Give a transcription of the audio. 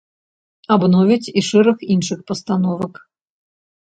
Абновяць і шэраг іншых пастановак.